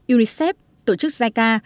unicef tổ chức zyka